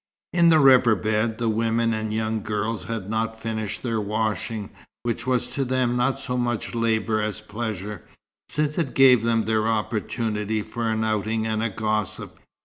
In the river bed, the women and young girls had not finished their washing, which was to them not so much labour as pleasure, since it gave them their opportunity for an outing and a gossip.